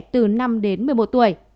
từ năm đến một mươi một tuổi